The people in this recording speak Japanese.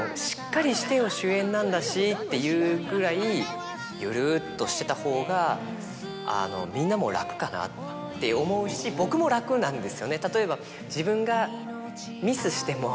「主演なんだし」っていうぐらいゆるっとしてた方がみんなも楽かなって思うし僕も楽なんですよね。